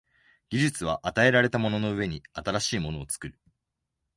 技術は与えられたものの上に新しいものを作る。